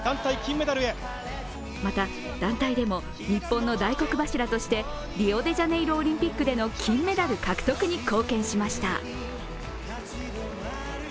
また団体でも日本の大黒柱としてリオデジャネイロオリンピックでの金メダル獲得に貢献しました。